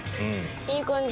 いい感じ。